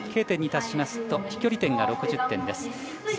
Ｋ点に達しますと飛距離点が６０点です。